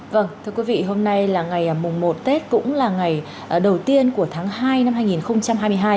vâng thưa quý vị hôm nay là ngày mùng một tết cũng là ngày đầu tiên của tháng hai năm hai nghìn hai mươi hai